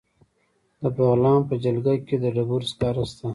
د بغلان په جلګه کې د ډبرو سکاره شته.